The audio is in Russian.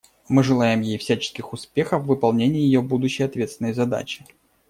Мы желаем ей всяческих успехов в выполнении ее будущей ответственной задачи.